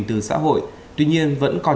từ xã hội tuy nhiên vẫn còn